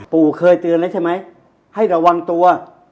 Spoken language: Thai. ปู่เคยเตือนแล้วใช่ไหมให้ระวังตัว